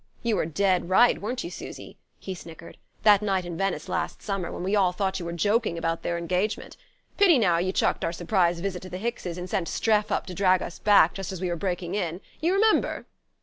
"You were dead right, weren't you, Susy," he snickered, "that night in Venice last summer, when we all thought you were joking about their engagement? Pity now you chucked our surprise visit to the Hickses, and sent Streff up to drag us back just as we were breaking in! You remember?"